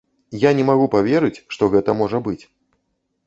Я не магу паверыць, што гэта можа быць.